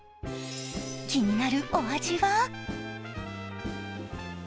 気になるお味は？